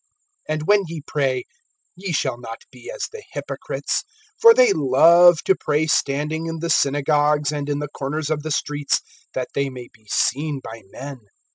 (5)And when ye pray, ye shall not be as the hypocrites; for they love to pray standing in the synagogues and in the corners of the streets, that they may be seen by men.